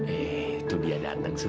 eh tuh dia dateng sus